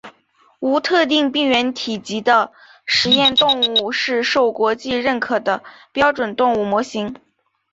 无特定病原体级的实验动物是受国际认可的标准动物模型。